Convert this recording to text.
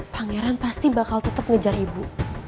pangeran pasti bakal tetap ngejar ibu